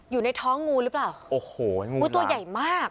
อยู่ในท้องงูหรือเปล่าโอ้โหงูตัวใหญ่มาก